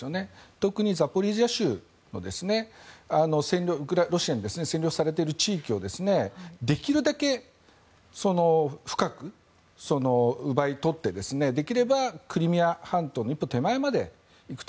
特にザポリージャ州ロシアに占領されている地域をできるだけ深く奪い取ってできればクリミア半島の一歩手前まで行くと。